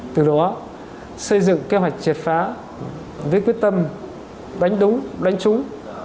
từ đó xây dựng kế hoạch triệt phá với quyết tâm đánh đúng đánh trúng